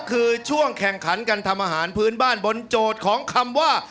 คือช่วงแข่งขันการทำอาหารพื้นบ้านบนโจทย์ของคำว่า